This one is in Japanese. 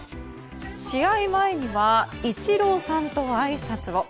試合前にはイチローさんとあいさつを。